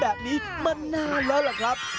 แบบนี้มานานแล้วล่ะครับ